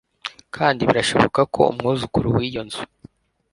Kandi birashoboka ko umwuzukuru wiyo nzu